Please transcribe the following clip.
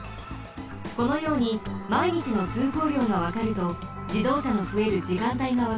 このようにまいにちのつうこうりょうがわかるとじどうしゃのふえるじかんたいがわかります。